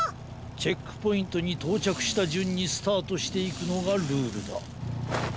チェックポイントにとうちゃくしたじゅんにスタートしていくのがルールだ。